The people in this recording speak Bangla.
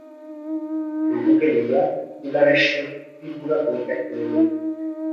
ধ্রুবকে লইয়া কেদারেশ্বর ত্রিপুরা পরিত্যাগ করিল।